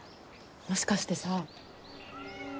もしかしてさ。